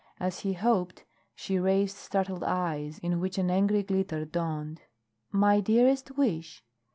As he hoped, she raised startled eyes in which an angry glitter dawned. "My dearest wish?